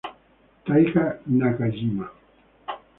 Taiga Nakajima